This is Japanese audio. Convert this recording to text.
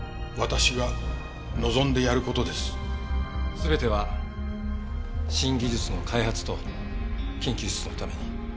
全ては新技術の開発と研究室のために。